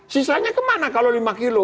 sisanya kemana kalau lima kilo